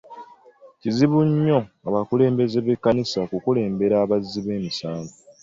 Kizibu nnyo abakulembeze b'ekkanisa okulumbibwa abazzi b'emisango.